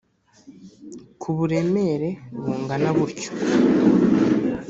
kuburemere bungana butyo